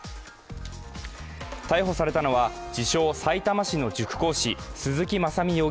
逮捕されたのは、自称・さいたま市の塾講師、鈴木雅美